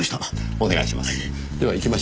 お願いします。